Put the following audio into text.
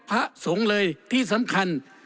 พระสงฆ์เลยที่สำคัญ